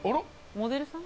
モデルさん？